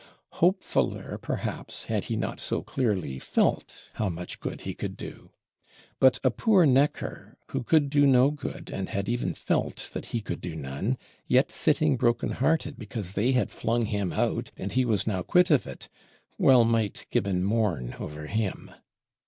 Hopefuler perhaps had he not so clearly felt how much good he could do! But a poor Necker, who could do no good, and had even felt that he could do none, yet sitting broken hearted because they had flung him out and he was now quit of it, well might Gibbon mourn over him.